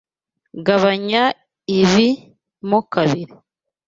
Gabanya ibi mo kabiri.